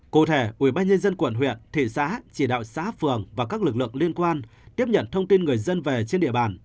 cụ thể ubnd quận huyện thị xã chỉ đạo xã phường và các lực lượng liên quan tiếp nhận thông tin người dân về trên địa bàn